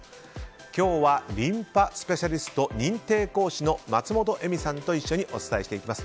今日はリンパスペシャリスト認定講師の松本絵美さんと一緒にお伝えしていきます。